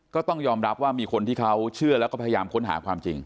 ก็ต้องยอมรับว่ามีคนที่เขาเชื่อแล้วก็พยายามค้นหาความจริง